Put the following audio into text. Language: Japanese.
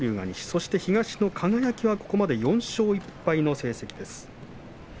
そして東の輝はここまで４勝１敗の成績です。